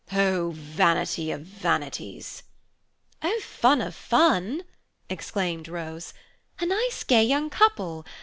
Oh vanity of vanities!" "Oh fun of fun!" exclaimed Rose. "A nice gay young couple.